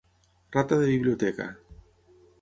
Rata de biblioteca.